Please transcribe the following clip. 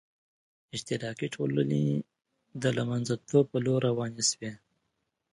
اشتراکي ټولنې د له منځه تلو په لور روانې شوې.